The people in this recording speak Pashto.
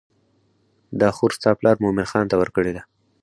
دا خور ستا پلار مومن خان ته ورکړې ده.